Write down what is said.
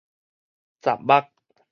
實目